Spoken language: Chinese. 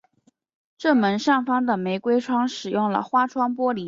正门上方的玫瑰窗使用了花窗玻璃。